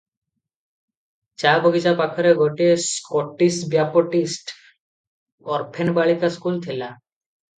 ଚା ବଗିଚା ପାଖରେ ଗୋଟିଏ ସ୍କଟିଶ୍ ବ୍ୟାପଟିଷ୍ଟ ଅର୍ଫେନ ବାଳିକା ସ୍କୁଲ ଥିଲା ।